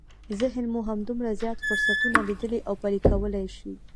ذهن مو همدومره زیات فرصتونه ليدلی او پلي کولای شي.